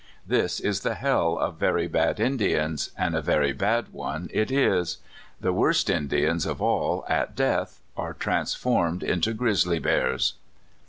This is the hell of very bad Indians, and a very bad one it is. The worst Indians of all, at death, are transformed into grizzly bears.